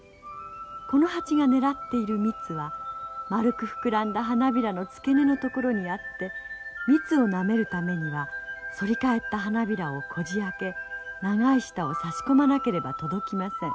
このハチが狙っている蜜は丸く膨らんだ花びらの付け根のところにあって蜜をなめるためには反り返った花びらをこじあけ長い舌を差し込まなければ届きません。